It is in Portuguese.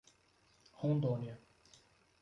Rondônia